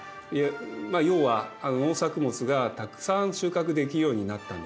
要は農作物がたくさん収穫できるようになったんですね。